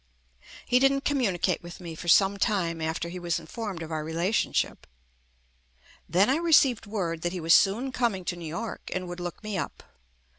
He didn't communicate with me for some time after he was informed of our rela tionship. Then I received word that he was soon coming to New York and would look me up.